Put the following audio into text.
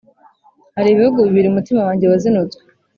Hari ibihugu bibiri umutima wanjye wazinutswe,